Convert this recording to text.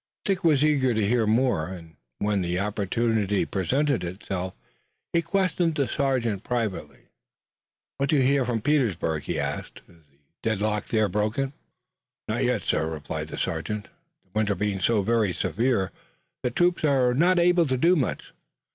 Dick was eager to hear more, and, when the opportunity presented itself, he questioned the sergeant privately. "What do we hear from Petersburg?" he asked. "Is the deadlock there broken?" "Not yet, sir," replied the sergeant. "The winter being so very severe the troops are not able to do much.